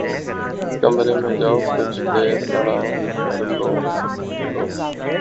کمرے میں جاؤ کچھ دیر آرام کر لوں لو